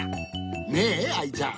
ねえアイちゃん。